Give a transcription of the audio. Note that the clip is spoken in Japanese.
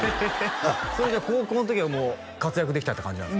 それじゃあ高校の時はもう活躍できたって感じなんですか？